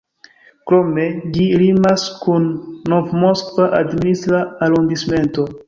Krome, ĝi limas kun Nov-Moskva administra arondismento.